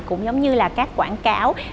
cũng giống như là các quảng cáo